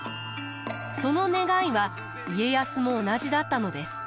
その願いは家康も同じだったのです。